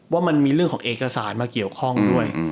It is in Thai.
ว่ามันมีเรื่องของเอกสารมาเกี่ยวข้องด้วย